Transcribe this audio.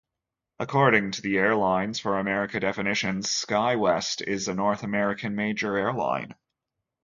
According to the Airlines for America definitions, SkyWest is a North American major airline.